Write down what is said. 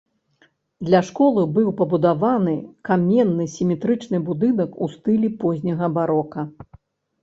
Для школы быў пабудаваны каменны сіметрычны будынак у стылі позняга барока.